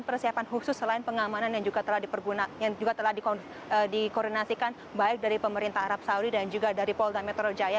persiapan khusus selain pengamanan yang juga telah dikoordinasikan baik dari pemerintah arab saudi dan juga dari polda metro jaya